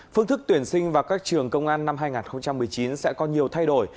phương thức tuyển sinh vào các trường công an năm hai nghìn một mươi chín sẽ có nhiều thay đổi